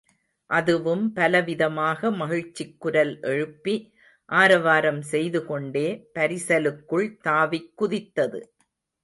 அதுவும் பல விதமாக மகிழ்ச்சிக் குரல் எழுப்பி ஆராவரம் செய்துகொண்டே பரிசலுக்குள் தாவிக் குதித்தது.